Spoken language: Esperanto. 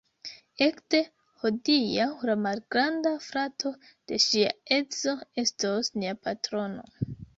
Ekde hodiaŭ la malgranda frato de ŝia edzo estos nia patrono